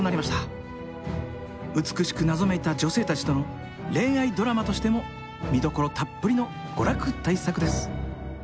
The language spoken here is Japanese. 美しく謎めいた女性たちとの恋愛ドラマとしても見どころたっぷりの娯楽大作です。